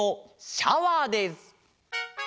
「シャワー」です！